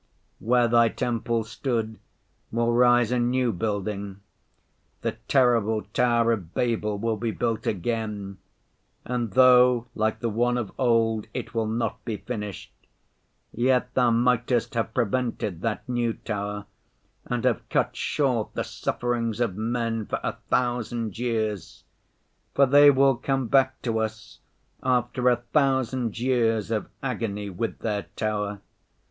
Where Thy temple stood will rise a new building; the terrible tower of Babel will be built again, and though, like the one of old, it will not be finished, yet Thou mightest have prevented that new tower and have cut short the sufferings of men for a thousand years; for they will come back to us after a thousand years of agony with their tower.